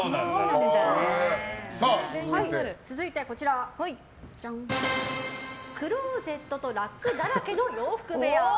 続いて、クローゼットとラックだらけの洋服部屋。